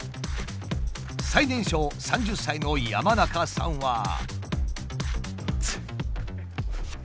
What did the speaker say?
最年少３０歳の山中さんは。